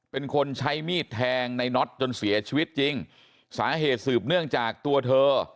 เป็นคนใช้มีดแทงในน็อตจนเสียชีวิตจริงสาเหตุสืบเนื่องจากตัวเธอ